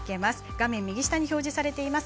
画面右下に表示されています